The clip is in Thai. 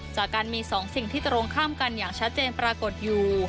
จากการมี๒สิ่งที่ตรงข้ามกันอย่างชัดเจนปรากฏอยู่